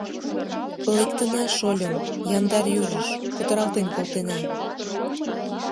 — Лектына, шольым, яндар южыш, кутыралтен колтена.